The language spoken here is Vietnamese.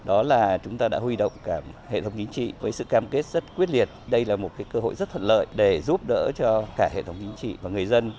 với sự cam kết rất quyết liệt đây là một cơ hội rất thật lợi để giúp đỡ cho cả hệ thống chính trị và người dân